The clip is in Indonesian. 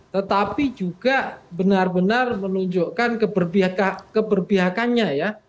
tetapi juga benar benar menunjukkan keberpihakannya ya